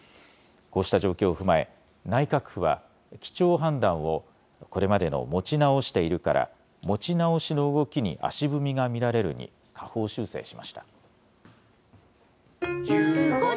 こうした状況を踏まえ、内閣府は基調判断をこれまでの持ち直しているから、持ち直しの動きに足踏みが見られるに下方修正しました。